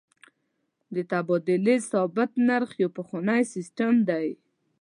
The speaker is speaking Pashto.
د تبادلې ثابت نرخ یو پخوانی سیستم دی.